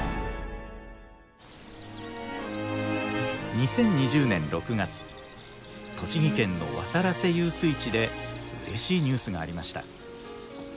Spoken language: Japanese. ２０２０年６月栃木県の渡良瀬遊水地でうれしいニュースがありました。